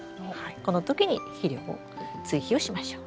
この時に肥料を追肥をしましょう。